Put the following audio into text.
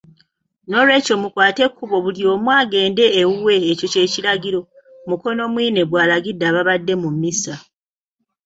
“Noolwekyo mukwate ekkubo buli omu agende ewuwe, ekyo ky'ekiragiro,” Mukonomwine bw'alagidde ababadde mu Mmisa.